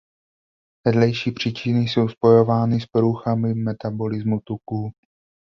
Vedlejší příčiny jsou spojeny s poruchami metabolismu tuků.